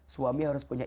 suami harus punya